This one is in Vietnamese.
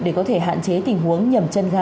để có thể hạn chế tình huống nhầm chân ga